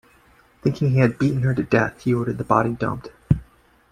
Thinking he had beaten her to death, he ordered the body dumped.